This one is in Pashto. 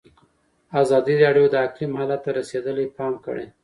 ازادي راډیو د اقلیم حالت ته رسېدلي پام کړی.